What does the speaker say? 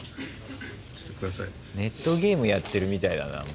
ネットゲームやってるみたいだな。